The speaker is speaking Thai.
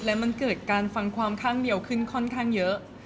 และมันเกิดการฟังความข้างเดียวขึ้นค่อนข้างเยอะ